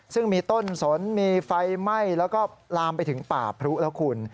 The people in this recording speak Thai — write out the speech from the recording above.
ซึ่งมีต้นสนมีไฟไหม้แล้วก็ลามไปถึงป่าพรุแล้วคุณ